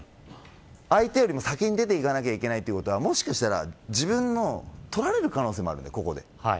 相手よりも先に出ていかないといけないということはもしかしたら自分のを取られる可能性もある。